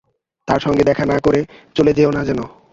তাঁর সঙ্গে দেখা না করে চলে যেও না যেন।